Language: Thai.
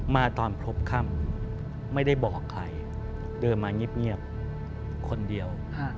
มาตอนพบค่ำไม่ได้บอกใครเดินมาเงียบคนเดียว